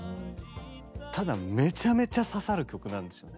ただめちゃめちゃ刺さる曲なんですよね。